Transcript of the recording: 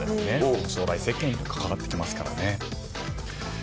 将来設計に関わってきますからね。